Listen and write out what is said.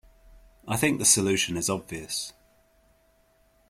I think the solution is obvious.